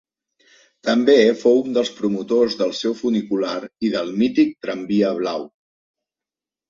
També fou un dels promotors del seu funicular i del mític tramvia blau.